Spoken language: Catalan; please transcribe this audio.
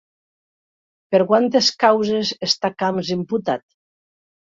Per quantes causes està Camps imputat?